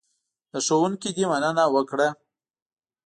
له ښوونکي دې مننه وکړه .